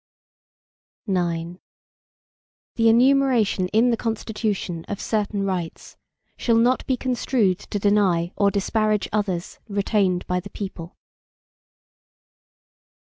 IX The enumeration in the Constitution, of certain rights, shall not be construed to deny or disparage others retained by the people.